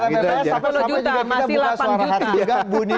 buka data bps sampai delapan juta